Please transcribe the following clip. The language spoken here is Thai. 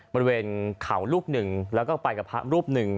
บริเวณเขาลูกหนึ่งแล้วก็ไปกับพระรูปหนึ่ง